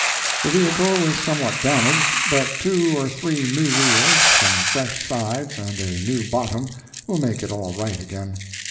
The vehicle was somewhat damaged, but two or three new wheels, some fresh sides, and a new bottom, will make it all right again.